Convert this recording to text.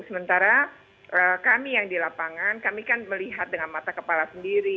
sementara kami yang di lapangan kami kan melihat dengan mata kepala sendiri